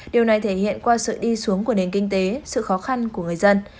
điều này thể hiện qua sự đi xuống của nền kinh tế sự khó khăn của người dân